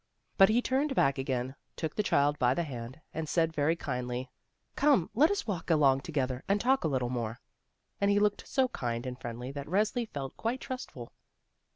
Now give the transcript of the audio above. But he turned back again, took the child by the hand, and said very kindly: "Come, let us walk along together and talk a little more." And he looked so kind and friendly that Resli felt quite trustful.